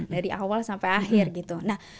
dari awal sampai akhir gitu